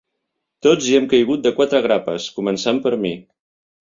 Tots hi hem caigut de quatre grapes, començant per mi.